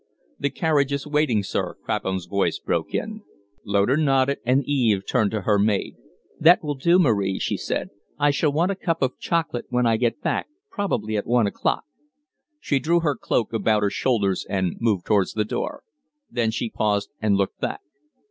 "The carriage is waiting, sir," Crapham's voice broke in. Loder nodded, and Eve turned to her maid. "That will do, Marie," she said. "I shall want a cup of chocolate when I get back probably at one o clock." She drew her cloak about her shoulders and moved towards the door. Then she paused and looked back.